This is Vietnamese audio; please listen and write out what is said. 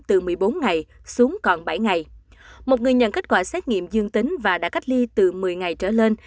từ một mươi bốn ngày xuống còn bảy ngày một người nhận kết quả xét nghiệm dương tính và đã cách ly từ một mươi ngày trở lên